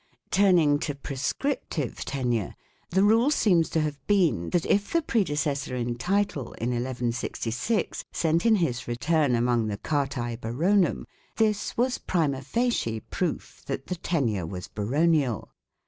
Turning to prescriptive tenure, the rule seems to have been that if the predecessor in title, in 1166, sent in his return among the " Cartae baronum," this was " prima facie " proof that the tenure was baronial.